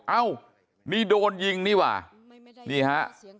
เอ้านี่โดนยิงนี่ว่ะนี่ฮะ